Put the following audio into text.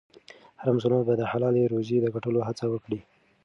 هر مسلمان باید د حلالې روزۍ د ګټلو هڅه وکړي.